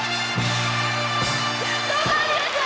どうもありがとう。